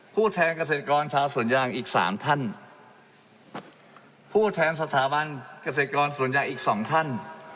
ผู้แทนเกษตรกรชาวสวนยางอีกสามท่านผู้แทนสถาบันเกษตรกรสวนยางอีกสองท่าน